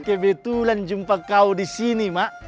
kebetulan jumpa kau di sini mak